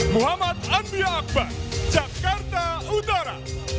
muhammad andi akbar jakarta utara